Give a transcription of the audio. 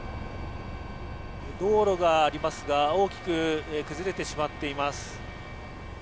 道路がありますが大きく崩れてしまっています。